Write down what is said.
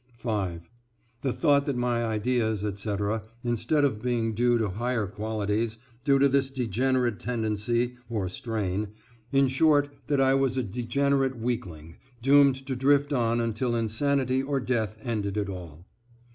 (5) The thought that my ideas, etc., instead of being due to higher qualities, due to this degenerate tendency or strain, in short, that I was a degenerate weakling, doomed to drift on until insanity or death ended it all.